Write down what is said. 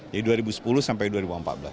dari dua ribu sepuluh sampai dua ribu empat belas